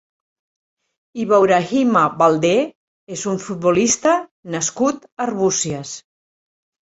Ibourahima Baldé és un futbolista nascut a Arbúcies.